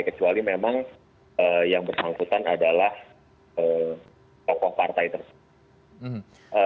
kecuali memang yang bersangkutan adalah tokoh partai tersebut